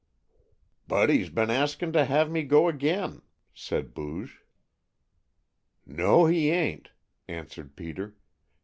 "Buddy's been askin' to have me go again!" said Booge. "No, he ain't," answered Peter.